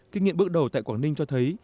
kinh nghiệm bước đầu tại quảng ninh cho thấy